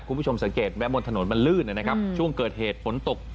คุณผู้ชมสังเกตไหมบนถนนมันลื่นนะครับช่วงเกิดเหตุฝนตก